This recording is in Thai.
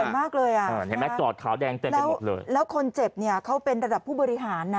ปากเถื่อนมากเลยครับแล้วแล้วคนเจ็บนี่เขาเป็นระดับผู้บริหารนะ